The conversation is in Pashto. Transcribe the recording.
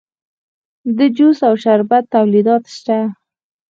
د جوس او شربت تولیدات شته